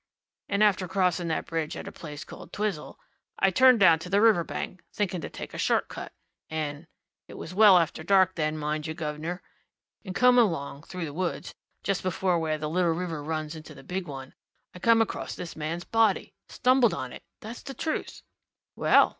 And after crossing that bridge at a place called Twizel, I turned down to the river bank, thinking to take a short cut. And it was well after dark, then, mind you, guv'nor in coming along through the woods, just before where the little river runs into the big one, I come across this man's body stumbled on it. That's the truth!" "Well!"